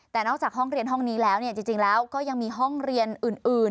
แต่นอกจากห้องเรียนห้องนี้แล้วจริงแล้วก็ยังมีห้องเรียนอื่น